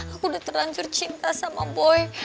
aku udah terlanjur cinta sama boy